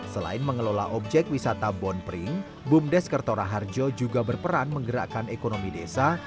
selain mengelola objek wisata bompring bumdes kerto raharjo juga berperan menggerakkan ekonomi desa